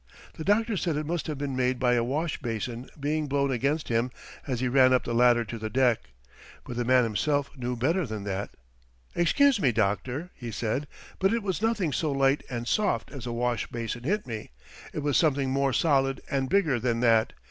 The doctors said it must have been made by a wash basin being blown against him as he ran up the ladder to the deck. But the man himself knew better than that. "Excuse me, doctor," he said, "but it was nothing so light and soft as a wash basin hit me. It was something more solid and bigger than that.